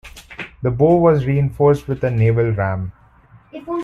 The bow was reinforced with a naval ram.